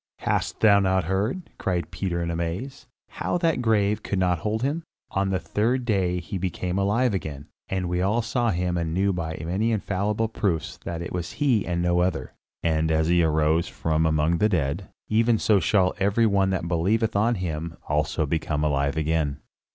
"Hast thou not heard," cried Peter in amaze, "how that the grave could not hold him? On the third day he became alive again, and we all saw him and knew by many infallible proofs that it was he and no other. And as he arose from among the dead, even so shall every one that believeth on him also become alive again.